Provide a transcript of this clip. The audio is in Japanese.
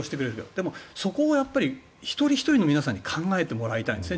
でも、そこを一人ひとり皆さんに考えてもらいたいんですね。